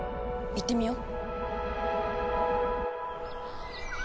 行ってみよう。